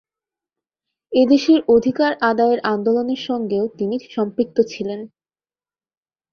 এ দেশের অধিকার আদায়ের আন্দোলনের সঙ্গেও তিনি সম্পৃক্ত ছিলেন।